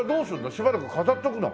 しばらく飾っておくの？